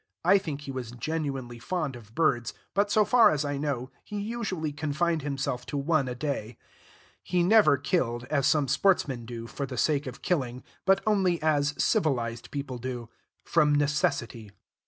I think he was genuinely fond of birds, but, so far as I know, he usually confined himself to one a day; he never killed, as some sportsmen do, for the sake of killing, but only as civilized people do, from necessity.